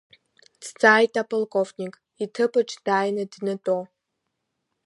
Дҵааит аполковник, иҭыԥаҿ дааины днатәо.